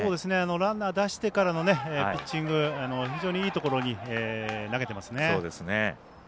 ランナー出してからのピッチング非常にいいところに投げていますね。